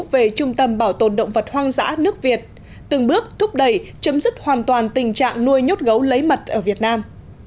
về trung tâm bảo tồn động vật hoang dã nước việt từng bước thúc đẩy chấm dứt hoàn toàn tình trạng nuôi nhốt gấu lấy mật ở việt nam